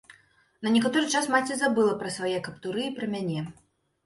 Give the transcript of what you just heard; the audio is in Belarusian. На некаторы час маці забыла пра свае каптуры і пра мяне.